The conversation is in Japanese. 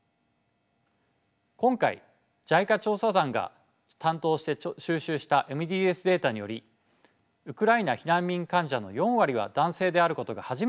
今回ＪＩＣＡ調査団が担当して収集したＭＤＳデータによりウクライナ避難民患者の４割は男性であることが初めて分かりました。